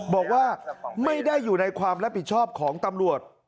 บอกว่าไม่ได้อยู่ในความรับผิดชอบของตำรวจ